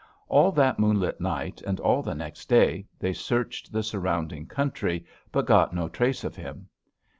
All that moonlit night, and all the next day, they searched the surrounding country, but got no trace of him.